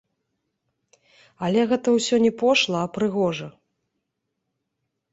Але гэта ўсё не пошла, а прыгожа.